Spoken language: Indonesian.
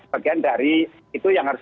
bagian dari itu yang harus